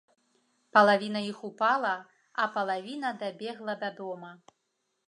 Палавіна іх упала, а палавіна дабегла да дома.